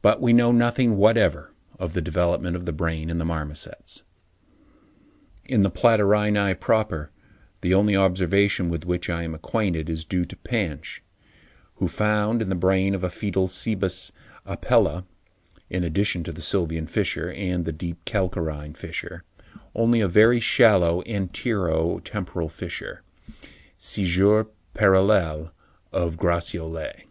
But we know nothing whatever of the development of the brain in the marmosets. In the Platyrrhini proper, the only observation with which I am acquainted is due to Pansch, who found in the brain of a foetal Cebus Apella, in addition to the sylvian fissure and the deep calcarine fissure, only a very shallow antero temporal fissure (scissure parallele of Gratiolet).